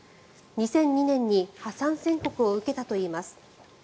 ２００２年に破産宣告を受けたといいます。